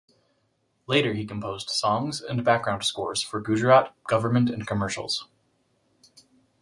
Later he composed songs and background scores for Gujarat government and commercials.